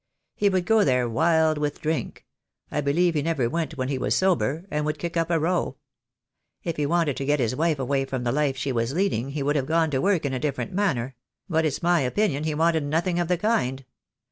He would go there wild with drink — I believe he never went when he was sober — and would kick up a row. If he wanted to get his wife away from the life she was leading he would have gone to work in a different manner; but it's my opinion he wanted nothing of the kind.